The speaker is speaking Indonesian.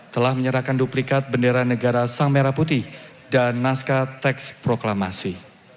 telah menyerahkan duplikat bendera negara sang merah putih dan naskah teks proklamasi